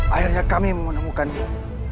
akhirnya kami menemukanmu